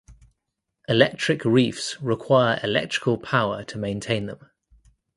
Electric reefs require electrical power to maintain them.